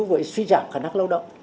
thì họ sẽ suy giảm khả năng lao động